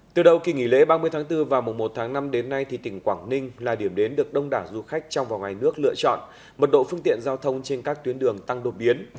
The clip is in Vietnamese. từ đầu kỳ nghỉ lễ ba mươi tháng bốn và mùa một tháng năm đến nay thì tỉnh quảng ninh là điểm đến được đông đảo du khách trong và ngoài nước lựa chọn mật độ phương tiện giao thông trên các tuyến đường tăng đột biến